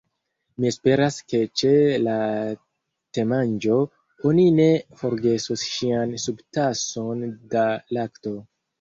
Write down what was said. "Mi esperas ke ĉe la temanĝo oni ne forgesos ŝian subtason da lakto.